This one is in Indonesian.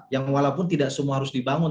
yang walaupun tidak semua harus dibangun